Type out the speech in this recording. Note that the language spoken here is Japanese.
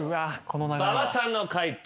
馬場さんの解答